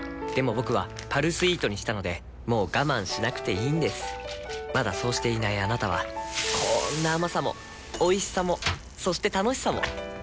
僕は「パルスイート」にしたのでもう我慢しなくていいんですまだそうしていないあなたはこんな甘さもおいしさもそして楽しさもあちっ。